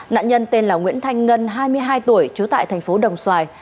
nạn nhân tên là nguyễn thanh ngân hai mươi hai tuổi trú tại thành phố đồng xoài